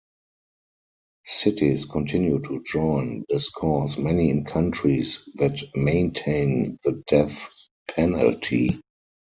Cities continue to join this cause, many in countries that maintain the death penalty.